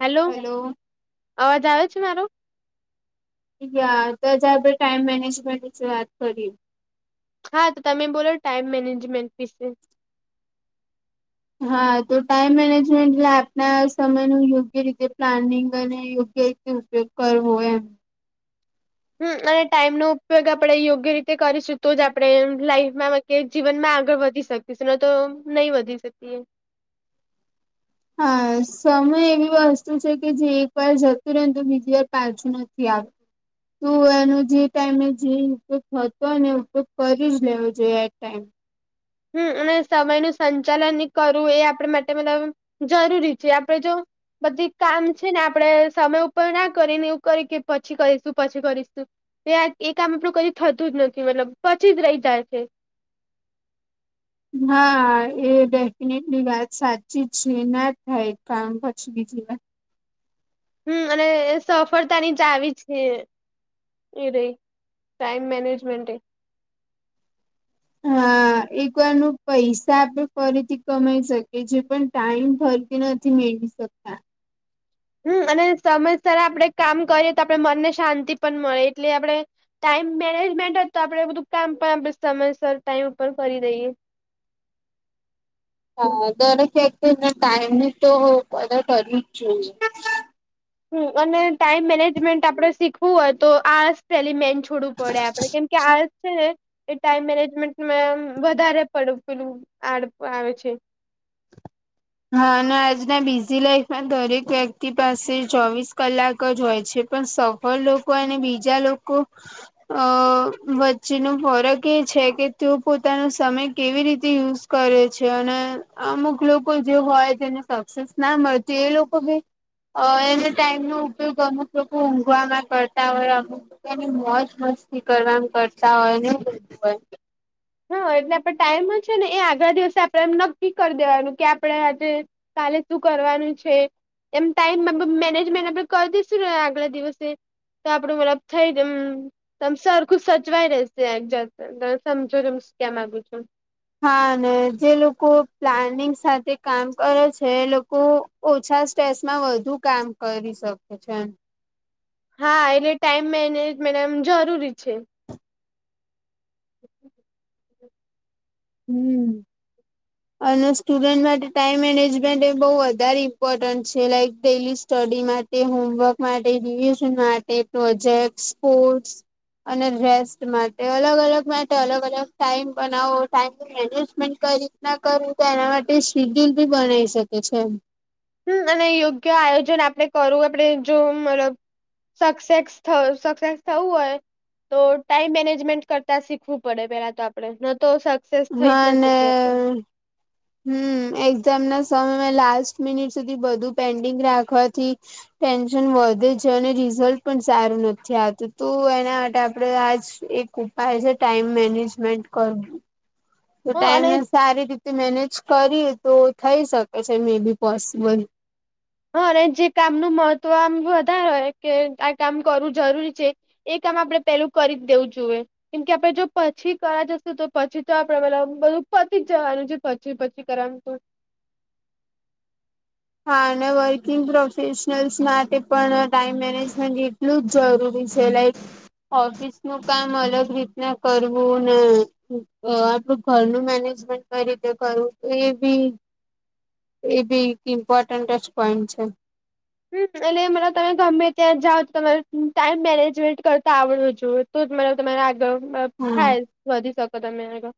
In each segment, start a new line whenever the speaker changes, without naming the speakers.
Hello,
hello
અવાજ આવે છે મારો?
યા ત જે આપણે ટાઈમ મેનેજમેન્ટ વિશે વાત કરીએ.
હા, તો તમે બોલો ટાઈમ મેનેજમેન્ટ વિશે.
હા, તો ટાઈમ મેનેજમેન્ટ એટલે આપના સમયનું યોગ્ય રીતે પ્લાનિંગ અને યોગ્યી ઉપયોગ કરવો એમ.
હમ્મ અને ટાઈમનો ઉપયોગ આપણે યોગ્ય રીતે કરીશું તો જ આપણે લાઈફમાં કે જીવન માં આગળ વધી શકીશ નઈ તો નહીં વધી શકીએ.
હા સમય એવી વસ્તુ છે કે જે એક વાર જતું રહે તો બીજી વાર પાછું નથી આવતું તું એનો જે ટાઈમે જે હતો અને ઉપયોગ કરી જ લેવો જોઈએ એટ ટાઈમ.
હમ્મ અને સમય નું સંચાલન કરવું એ આપણે માટે મતલબ જરૂરી છે આપડે જો બધી કામ છે ને આપડે સમય ઉપર ના કરીને એવું કરી કે પછી કરીશું પછી કરીશું. આ એ કામ આપડું થતું જ નથી મતલબ પછી જ રહી જાય છે.
હા એ બે એ એટલી વાત સાચી છે ના થાય કામ પછી બીજી વાત
હમ્મ અને એ સફળતાની જ ચાવી છે. એ રે ટાઈમ મેનેજમેન્ટે.
હા એક વારનું પૈસા આપે ફરીથી કમાઈ શકીએ છીએ પણ ટાઈમ ફરથી નથી મેળ શકતા.
હમ્મ અને સમયસર આપડે કામ કરીએ તો આપડે મનને શાંતિ પણ મળે એટલે આપડે ટાઈમ મેનેજમેન્ટ જ તો આપડે બધું કામ પણ આપ સમયસર ટાઈમ ઉપર કરી દઈએ.
હા દરેક વખતે ટાઈમની તો કદર કરવી જ જોઈએ.
હ અને ટાઈમ મેનેજમેન્ટ આપડે શીખવું હોય તો આ સેલિમેન્ટ છોડું પડે આપડે કેમ કે આ છે ને એ ટાઈમ મેનેજમેન્ટને
હા
વધારે પડ પેલું આડ આવે છે.
હા અને આજના બિઝી લાઈફમાં દરેક વ્યક્તિ પાસે ચોવીસ કલાક જ હોય છે પણ સૌ પણ લોકો અને બીજા લોકો અ વચ્ચેનો ફરક એ છે કે તે પોતાનો સમય કેવી રીતે યુઝ કરે છે અને અમુક લોકો કોણ જોવા હોય તેને સક્સેસ ના મળતી એ લોકો ભ અ એને ટાઈમ નો ઉપયોગ અમુક લોકો ઊંઘવામાં કરતા હોય અમુક એને મોજ મસ્તી કરવાનું કરતા હોય ને.
હા એટલે આપે ટાઈમ જ છે ને એ આગળ દિવસે આપણે એમ નક્કી કરી દેવાનું કે આપણે આજે કાલે શું કરવાનું છે? એમ ટાઈમ મેનેજમેન્ટ આપણે કરી દઈશું ને આગલા દિવસે તો આપડું મતલબ થઈનેમ તમ સરખું સચવાય રહેશે જાત. જો તન સ્કેન આપું છું.
હા ને જે લોકો પ્લાનિંગ સાથે કામ કરે છે એ લોકો ઓછા સ્ટ્રેસમાં વધુ કામ કરી શકે છે એમ.
હા એટલે ટાઈમ મેનેજમેન એમ જરૂરી છે.
હમ્મ [unintelligible] સ્ટુડન્ટ માટે ટાઈમ મેનેજમેન્ટ એ બહુ વધારે ઇમ્પોર્ટન્ટ છે લાઇક ડેલી સ્ટડી મા કે હોમવર્ક માટે [unintelligible] માટે પ્રોજેક્ટસ, સ્પોર્ટસ અને રેસ્ટ માટે અલગ અલગ માટે અલગ અલગ ટાઈમ બનાવો. ટાઈમની મેનેજમેન્ટ કઈ રીતના કરવું તો એના માટે સીડયુલ ભી બનાવી શકે છે એમ.
હમ્મ અને યોગ્ય આયોજન આપણે કરવુ આપડે મતલબ સક્સેસ થ સક્સેસ થવું હોય તો ટાઈમ મેનેજમેન્ટ કરતા શીખવું પડે પેલા તો આપડે. ન તો સક્સેસ થઈ જ ના શકીએ આપડે.
હમ્મ, એક્ઝામ ના સમયમાં લાસ્ટ મિનિટ સુધી બધું પેન્ડિંગ રાખવાથી ટેન્શન વધે છે અને રિઝલ્ટ પણ સારું નથી આવતું તો એના માટે આપડે આજ એક ઉપાય છે ટાઈમ મેનેજમેન્ટ કર તો
હા અને
ટાઈમને સારી રીતે મેનેજ કરીએ તો થઈ શકે છે મે બી પોસિબલ.
હા અને જે કામ નુ મહત્વ આમ વધારે હોય કે આ કામ કરવું જરૂરી છે. એ કામ આપડે પેલુ કરી જ દેવું જોવે. કેમ કે આપડે જો પછી કરવા જશું તો પછી તો આપડે પેલા બધું પતિ જ જવાનું છે. પછી પછી કરવાનું તો
હા અને વર્કિંગ પ્રોફેશનલ્સ માટે પણ ટાઈમ મેનેજમેન્ટ એટલું જ જરૂરી છે લાઇક ઓફિસ નું કામ અલગ રીતના કરવું ને આપડું ઘરનું મેનેજમેન્ટ કઈ રીતે કરવું તો એ બી એ બી એક ઇમ્પોર્ટન્ટ જ પોઈન્ટ છે.
હમ્મ, એટલે માને તમે ગમે ત્યાં જાઓ તો તમારે ટાઈમ મેનેજમેન્ટ કરતા આવડું જોવે. તો મ તમારે આગળ
હમ
થાય વધી શકો તમે આગળ.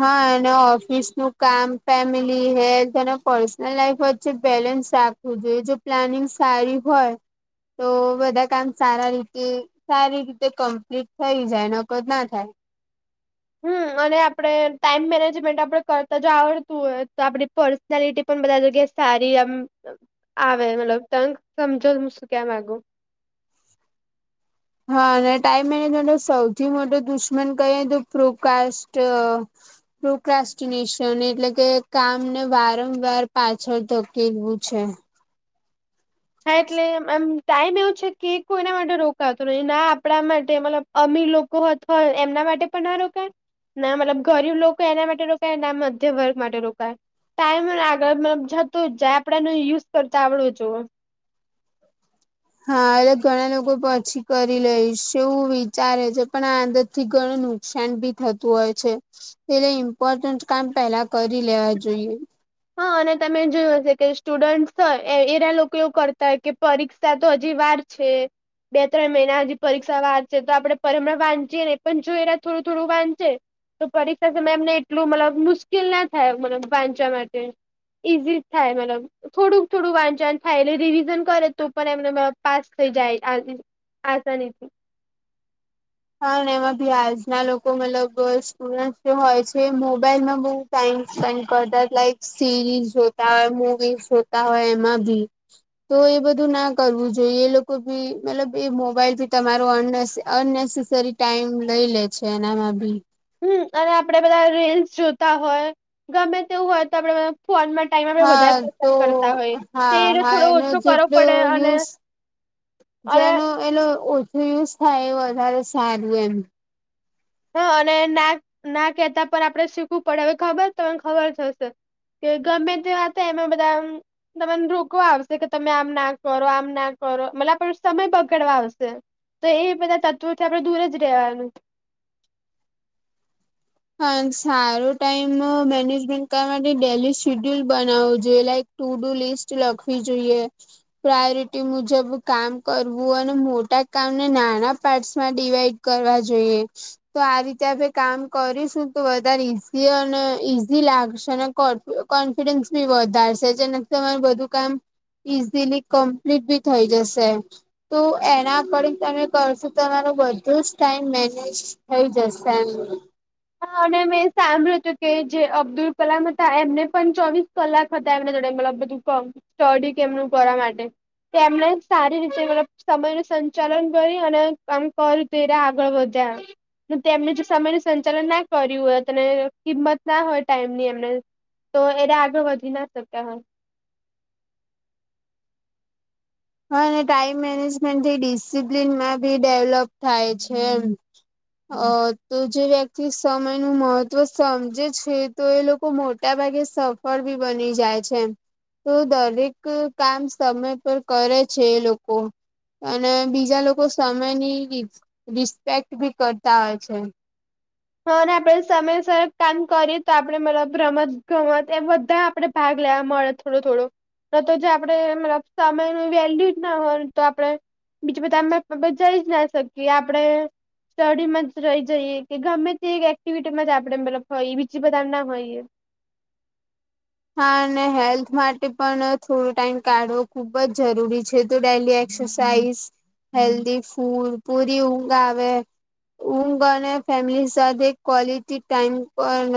હા એના ઓફિસ નું કામ family, health and personal life વચ્ચે બેલેન્સ રાખ જોઈએ જો પ્લાનિંગ સારી હોય તો બધા કામ સારા રીતે સારી રીતે કંપલીટ થઈ જાય નકદ ના થાય.
હમ્મ અને આપડે ટાઈમ મેનેજમેન્ટ આપડે કરતા જો આવડતું હોય તો આપડી પર્સ ના લીટી પણ બધા જગ્યાએ સારી આમ આવે મતલબ તમ સમજો હું શું કેવા માગુ.
હા અને ટાઈમ મેનેજમેન્ટ સૌથી મોટો દુશ્મન કહી તો પ્રોકાસ્ટિ પ્રોકાસ્ટિનેશન એટલે કે કામને વારંવાર પાછળ ધકેલવું છે.
હા એટલે એમ ટાઈમ એવું છે કે કોઈના માટે રોકતો નથી ના આપડા માટે મતલ અમીર લોક એમના માટે પણ ના રોકાય ના મતલબ ગરીબ લોકો એના માટે રોકાય ના મધ્યમ વર્ગ માટે રોકાય. ટાઈમ આગળ મતલબ જતો જ જાય આપડેનો યુઝ કરતા આવડવો જોઈએ.
હા એજ ઘણા લોકો પછી કરી લઈશ એવું વિચારે છે પણ આ અંદર થી ઘણું નુકસાન ભી થતું હોય છે. એટલે ઇમ્પોર્ટન્ટ કામ પેલા કરી લેવા જોઈએ.
હા અને તમે જોયું હશે કે સ્ટુડન્ટસ હોય એરા લોક એવું કરતા હોય કે પરીક્ષા તો હજી વાર છે. બે ત્રણ મહિના હજી પરીક્ષા વાર છે તો આપણે પરે હમણાં વાંચીએ ને પણ જો એ થોડું થોડું વાંચે. તો પરીક્ષા છે મે એમને એટલું મતલબ મુશ્કેલ ના થાય મતલબ વાંચવા મા ઈઝી થાય મતલબ. થોડુંક થોડું વાંચા થાય એટલે રિવિઝન કરે તો પણ એમને પાસ થઈ જાય આ આસાનીથી.
હા ને એમાં ભી આજના લોકો મતલબ અ સ્ટુડન્ટ જો હોય છે મોબાઈલમાં બહુ ટાઈમ સ્પેન્ડ કરતા લાઈક સિરીઝ જોતા હોય મૂવીઝ જોતા હોય એમાં બી તો એ બધું ના કરવું જોઈએ એ લોકો ભી મતલબ એ મોબાઈલથી તમારો અન અનનેસેસરી સરી ટાઈમ લઈ લે છે એનામાં બી
હમ્મ અને આપડે બધા રીલ્સ જોતા હોય ગમે તેવું હોય તો આપડે બધા ફોનમાં જ
હા તો
તે
હા
એને
હા
થોડો
એનો
ઓછો કરવો
જેટલો
પડે અને
યુઝ
અને
જેનો એલો ઓછો યુઝ થાય એ વધારે સારું એમ
હા અને ના ના કેતા પણ આપણે શીખવું પડે હવે ખબર તમને ખબર જ હશે. કે ગમે તે વાત હોય એમાં બધા તમને આમ રોકવા આવશે કે તમે આમ ના કરો આમ ના કરો મતલ આપણ સમય બગાડવા આવશે. તો એ બધા તત્વોથી આપણે દૂર જ રહેવાનું
હા સારો ટાઈમ અ મેનેજમેન્ટ કરવા માટે ડેલી શીડ્યુલ બનાવવો જોઈએ લાઈક ટુ ડુ લિસ્ટ લખવી જોઈએ પ્રાયોરિટી મુજબ કામ કરવું અને મોટા કામને નાના પાર્ટસ માં ડિવાઈડ કરવા જોઈએ. તો આ રીતે આપણે કામ કરીશું તો વધારે ઈઝી અને ઈઝી લાગશે અને કોન કોણ કોન્ફિડન્સ બી વધારશે જેને તમારે બધું કામ ઈઝીલી કમ્પ્લીટ બી થઇ જશે. તો એના અકોર્ડિંગ તમે કરશો તમારૂ બધું જ ટાઈમ મેનેજ થઈ જશે એમ
હા અને મેં સાંભળ્યું તું કે જે અબ્દુલ કલામ હતા એમને પણ ચોવીસ કલાક હતા એમને જોડે મતલબ બધું સ્ટડી એમણે કરવા માટે તેમણે સારી રીતે મતલબ સમય નું સંચાલન કરી અને કામ કરી તેરા આગળ વધ્યા અને તેમને જે જો સમય નું સંચાલન સંચાલન ના કર્યું હોય ત કિંમત ના હોય ટાઈમ ની એમને તો એને આગળ વધી ના શક્યા હોય
હા અને ટાઈમ મેનેજમેન્ટ થી ડિસિપ્લિનમાં બી ડેવલોપ થાય છે એમ અ તો જે વ્યક્તિ સમય નું મહત્વ સમજે છે. તો એ લોકો મોટા ભાગે સફળ ભી બની જાય છે એમ તો દરેક કામ સમય પર કરે છે એ લોકો અને બીજા લોકો સમયની રિસ રિસ્પેક્ટ ભી કરતા હોય છે.
હ અને આપણેે સમય સર કામ કરીએ તો આપડે મતલબ રમત ગમત એ બધા આપડે ભાગ લેવા મળે તો થોડો થોડો ન તો જે આપડે સમય નું વેલ્યુ ના હોય તો આપડે બીજું બધા અમે જઈ જ ના શકીએ આપડે સ્ટડીમાં જ રહી જઈએ કે ગમે તે એક એક્ટિવિટીમાં જ આપણેે મતલબ હોય બીજી બધા ના હોઈએ
હા અને હેલ્થ માટે પણ થોડો ટાઈમ કાઢવો ખુબ જ જરૂરી છે તો ડેલી આઈ એક્સરસાઇઝ હેલ્ધી ફૂડ પૂરી ઊંઘ આવે ઊંઘ અને ફેમિલી સાથે કોલિટી ટાઈમ પણ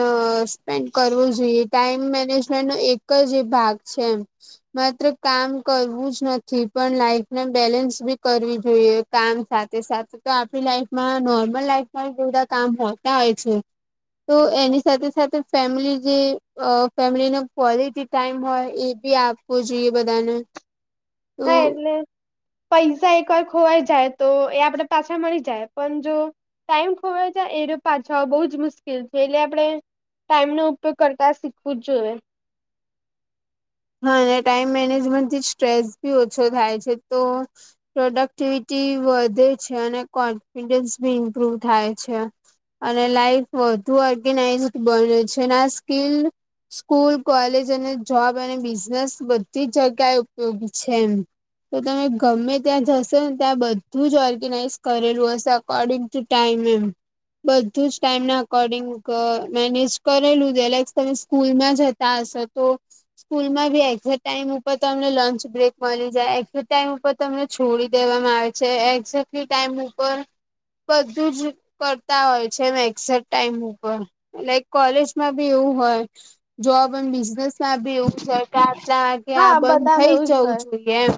સ્પેન્ડ કરવો જોઈએ ટાઈમ મેનેજમેન્ટ નો એક જ એ ભાગ છે એમ માત્ર કામ કરવું જ નથી પણ લાઈફને બેલેન્સ બી કરવી જોઈએ. કામ સાથે સાથે તો આપણી લાઈફમાં નોર્મલ લાઈફમાં બધા કામ હોતા હોય છે. તો એની સાથે સાથે ફેમિલી જે અ ફેમિલીનો ક્વોલિટી ટાઈમ હોય એ બી આપવો જોઈએ બધાને તો
હા એટલે પૈસા એકવાર ખોવાઈ જાય તો એ આપડે પાછા મળી જાય પણ જો ટાઈમ ખોવાય જાય એરો પાછા બહુ જ મુશ્કેલ છે એટલે આપણે ટાઈમનો ઉપયોગ કરતા શીખવું જ જોઈએ.
હા અને ટાઈમ મેનેજમેન્ટથી સ્ટ્રેસ બી ઓછો થાય છે તો પ્રોડક્ટિવિટી વધે છે અને કોન્ફિડન્સ બી ઇમ્પ્રુવ થાય છે. અને લાઈફ વધુ ઓર્ગેનાઈઝ બને છે ને આ સ્કીલ સ્કૂલ, કોલેજ અને જોબ અને બિઝનેસ બધી જ જગ્યાએ ઉપયોગી છે એમ. તો તમે ગમે ત્યાં જશો ને ત્યાં બધું જ ઓર્ગેનાઈઝ કરેલું હશે અકોર્ડિંગ ટુ ટાઈમ એમ, બધું જ ટાઈમના અકોર્ડિંગ મેનેજ કરેલું છે લાઈક્સ તમે સ્કૂલમાં જતા હશો તો સ્કૂલમાં બી એક્ઝેટ ટાઈમ ઉપર તમને લંચ બ્રેક મળી જાય એક્ઝેટ ટાઈમ ઉપર તમને છોડી દેવામાં આવે છે એક્ઝેટ બી ટાઈમ ઉપર બધું જ કરતા હોય છે એમ એક્ઝેક્ટ ટાઈમ ઉપર. લાઈક કોલેજમાં બી એવું હોય. જોબ અને બિઝનેસમાં બી એવું સરકારના કે
હા
આ બંધ
બધામે
થઈ જ
એવું
જવું
હોય
જોઈએ એમ.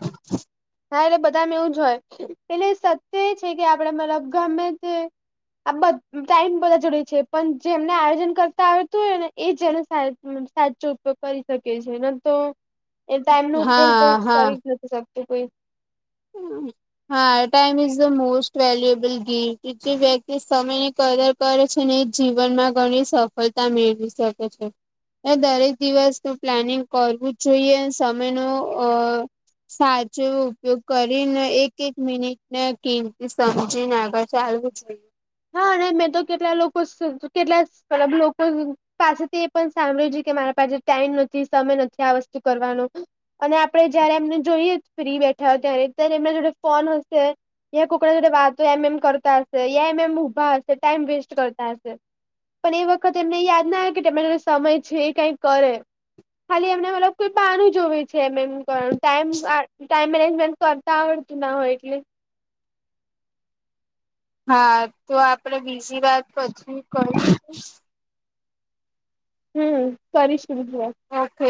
હા એટલે બધાનું એવું જ હોય એટલે સત્ય એ છે કે આપડે મતલબ ગમે તે આ બ ટાઈમ બધા જોડે છે પણ જે એમને આયોજન કરતા આવતું હોય ને એજ ને સાચો ઉપયોગ કરી શકીએ છે ન તો એ ટાઈમનો ઉપયોગ તો
હા
કરી જ નથી શકતું કોઈ
હમ્મ. હા time is the most valuable game કે જે વ્યક્તિ સમયે કદર કરે છે ને એજ જીવનમાં ઘણી સફળતા મેળવી શકે છે. એ દરેક દિવસનું પ્લાનિંગ કરવું જ જોઈએ સમયનો અ સાચો એવો ઉપયોગ કરીને એક એક મિનિટ ને કિંમતી સમજીને આગળ ચાલવું જોઈએ.
હા અને મેં તો કેટલા લોકો કેટલા ખરાબ લોકો પાસેથી એ પણ સાંભળ્યું છે કે મારા પાસે ટાઈમ નથી સમય નથી આ વસ્તુ કરવાનો. અને આપણે જયારે એમને જોઈએ ફ્રી બેઠા હોય ત્યારે ત્યારે એમના જોડે ફોન છે. યા કોકના જોડ વાતો એમ એમ કરતા હશે એમ એમ ઊભા હશે ટાઈમ વેસ્ટ કરતા હશે. પણ એ વખત એમને યાદ ના આવે કે તેમના જોડે સમય છે કંઈ કરે. ખાલી એમને મતલબ કોઈ પાનું જોવે છે એમ એમ. પણ ટાઈમ ટાઈમ મેનેજમેન્ટ કરતા આવડતું ના હોય એટલે
હા તો આપડે બીજી વાત પછી કરીશું.
હમ્મ કરીશું બીજી વાર.
ઓકે.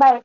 બાય.